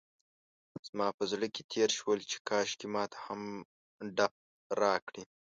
زما په زړه کې تېر شول چې کاشکې ماته هم ډب راکړي.